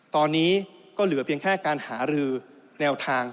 ตอนนี้ก็เหลือเพียงแค่การหารือแนวทาง